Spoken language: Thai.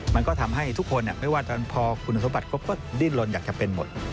มันก็ทำให้ทุกคนไม่ว่าจะพอคุณสมบัติครบก็ดิ้นลนอยากจะเป็นหมด